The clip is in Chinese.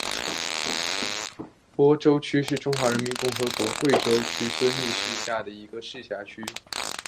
播州区是中华人民共和国贵州省遵义市下属的一个市辖区。